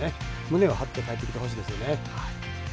胸を張って帰ってきてほしいですよね。